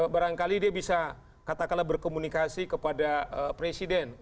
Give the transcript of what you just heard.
barangkali dia bisa katakanlah berkomunikasi kepada presiden